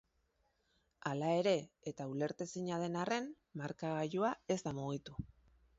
Hala ere, eta ulertezina den arren, markagailua ez da mugitu.